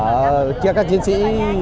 họ chở các chiến sĩ